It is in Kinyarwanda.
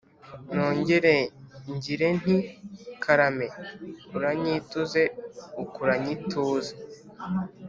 Nongere ngire nti karame uranyituze ukuranye ituze